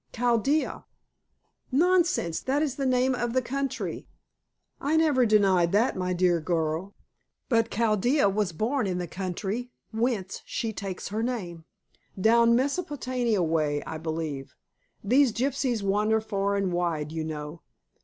"Chaldea." "Nonsense. That is the name of the country." "I never denied that, my dear girl. But Chaldea was born in the country whence she takes her name. Down Mesopotamia way, I believe. These gypsies wander far and wide, you know.